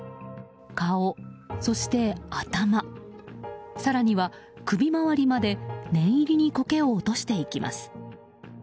顔、そして頭、更には首回りまで念入りにコケを落としていきます。